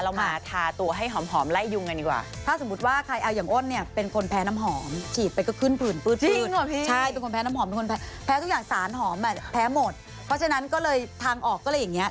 เพราะฉะนั้นก็เลยทางออกก็เลยอย่างนี้